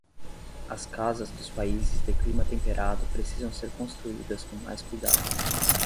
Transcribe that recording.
As casas dos países de clima temperado precisam ser construídas com mais cuidado